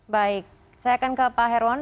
baik saya akan ke pak herwan